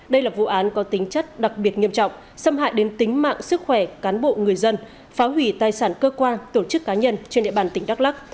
đây là vụ án có tính chất đặc biệt nghiêm trọng xâm hại đến tính mạng sức khỏe cán bộ người dân phá hủy tài sản cơ quan tổ chức cá nhân trên địa bàn tỉnh đắk lắc